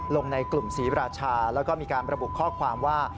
ในกลุ่มศรีราชาแล้วก็มีการระบุข้อความว่า